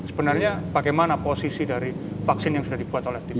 sebenarnya bagaimana posisi dari vaksin yang sudah dibuat oleh tim